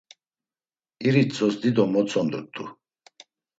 İritzos dido motzondurt̆u.